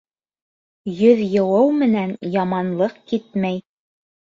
Йөҙ йыуыу менән яманлыҡ китмәй.